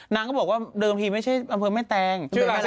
นางก็บอกว่าเดิมที่ไม่ใช่บำเผอร์ตไม่แตง